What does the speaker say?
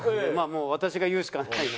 もう私が言うしかない。